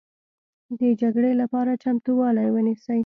د جګړې لپاره چمتوالی ونیسئ